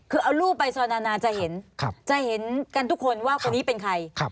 คือเอารูปไปซอยนานาจะเห็นจะเห็นกันทุกคนว่าคนนี้เป็นใคร